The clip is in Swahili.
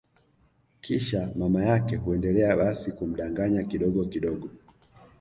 Kisha mama yake huendelea basi kumdanganya kidogo kidogo